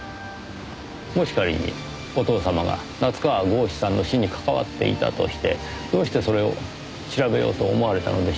もし仮にお父様が夏河郷士さんの死に関わっていたとしてどうしてそれを調べようと思われたのでしょう？